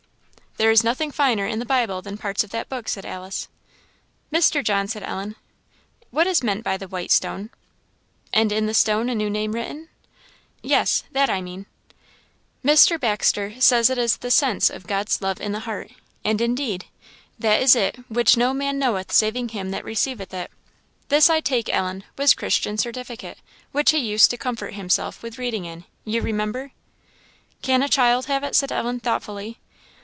"There is nothing finer in the Bible than parts of that book," said Alice. "Mr. John," said Ellen "what is meant by the 'white stone?' "" 'And in the stone a new name written?' " "Yes that I mean." "Mr. Baxter says it is the sense of God's love in the heart; and, indeed, that is it 'which no man knoweth saving him that receiveth it.' This, I take it, Ellen, was Christian's certificate, which he used to comfort himself with reading in, you remember?" "Can a child have it?" said Ellen, thoughtfully.